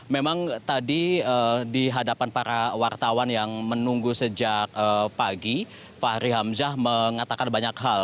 memang tadi di hadapan para wartawan yang menunggu sejak pagi fahri hamzah mengatakan banyak hal